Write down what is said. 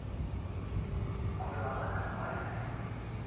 これは何かの合図です。